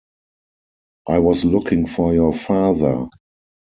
I was looking for your father.